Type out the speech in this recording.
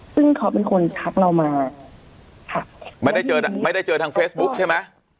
ซึ่งเขาเป็นคนทักเรามาค่ะไม่ได้เจอไม่ได้เจอทางเฟซบุ๊กใช่ไหม